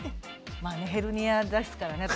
まあねヘルニアですからね私。